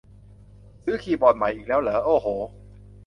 ซื้อคีย์บอร์ดใหม่อีกแล้วเหรอ โอ้โห